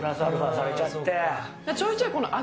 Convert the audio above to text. ちょいちょい味